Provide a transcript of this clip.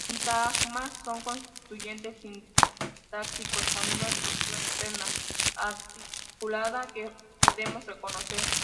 Los sintagmas son constituyentes sintácticos con una estructura interna articulada que podemos reconocer.